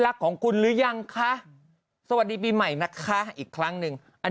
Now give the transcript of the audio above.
รักของคุณหรือยังคะสวัสดีปีใหม่นะคะอีกครั้งหนึ่งอัน